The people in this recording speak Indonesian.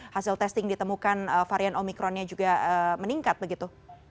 hasil testing ditemukan varian omikronnya juga meningkat begitu